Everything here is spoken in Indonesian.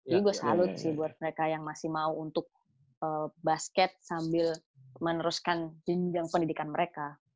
jadi gue salut sih buat mereka yang masih mau untuk basket sambil meneruskan pinjang pendidikan mereka